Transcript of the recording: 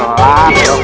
pelan pelan ya allah